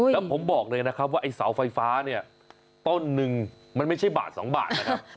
แล้วผมบอกเลยนะครับว่าไอ้เสาไฟฟ้าเนี่ยต้นหนึ่งมันไม่ใช่บาท๒บาทนะครับ